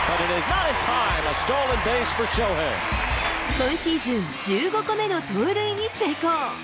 今シーズン１５個目の盗塁に成功。